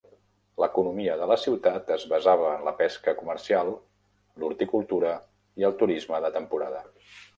L'economia de la ciutat es basava en la pesca comercial, l'horticultura i el turisme de temporada.